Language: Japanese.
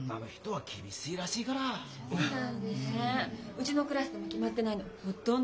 うちのクラスでも決まってないのほとんど女よ。